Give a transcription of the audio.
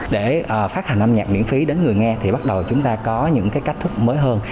để phát hành âm nhạc miễn phí đến người nghe thì bắt đầu chúng ta có những cái cách thức mới hơn